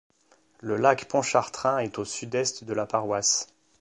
Le lac Pontchartrain est au sud-est de la paroisse.